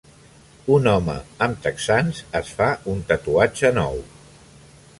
Un home amb texans es fa un tatuatge nou.